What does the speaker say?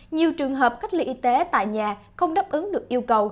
nhiều trường hợp cách ly y tế tại nhà không đáp ứng được yêu cầu